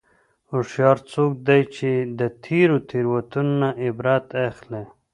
هوښیار څوک دی چې د تېرو تېروتنو نه عبرت اخلي.